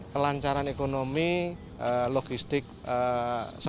kelancaran ekonomi logistik sembako dan sebagainya